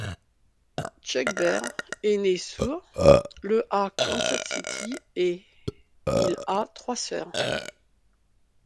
Chuck Baird est né sourd le à Kansas City et Il a trois sœurs.